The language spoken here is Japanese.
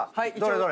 どれ？